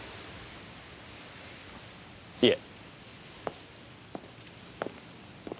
いえ。